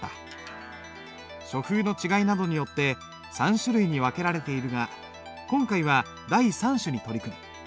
書風の違いなどによって３種類に分けられているが今回は第三種に取り組む。